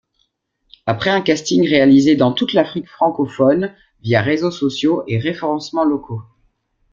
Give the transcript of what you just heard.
Après un casting réalisé dans toute l’Afrique Francophone via réseaux sociaux et référencements locaux.